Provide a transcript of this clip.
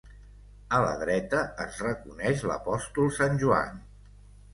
A la dreta es reconeix l'apòstol Sant Joan.